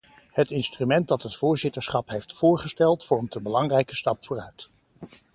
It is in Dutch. Het instrument dat het voorzitterschap heeft voorgesteld vormt een belangrijke stap vooruit.